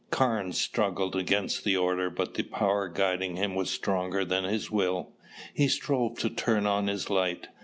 Carnes struggled against the order but the power guiding him was stronger than his will. He strove to turn on his light.